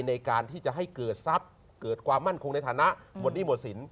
ในการที่จะให้เกิดทรัพย์เกิดความมั่นคงในฐานะหมดหนี้หมดสิน